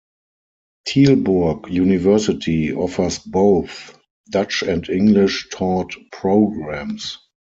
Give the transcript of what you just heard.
Tilburg University offers both Dutch-and English-taught programs.